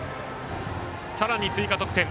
さらに追加得点。